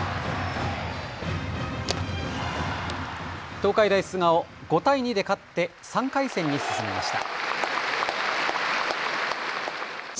東海大菅生、５対２で勝って３回戦に進みました。